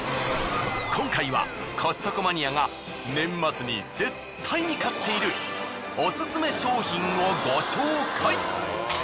今回はコストコマニアが年末に絶対に買っているオススメ商品をご紹介！